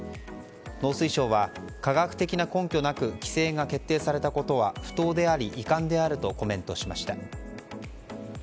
農水省は、科学的な根拠なく規制が決定されたことは不当であり遺憾であるとコメントしました。